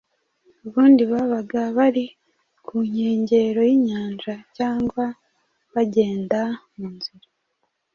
ubundi babaga bari ku nkengero y’inyanja cyangwa bagenda mu nzira